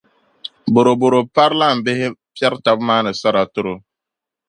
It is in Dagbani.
bɔrɔbɔro parilaambihi piɛri tab’ maani sara tiri o.